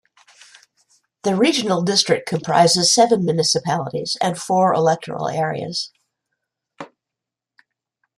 The regional district comprises seven municipalities and four electoral areas.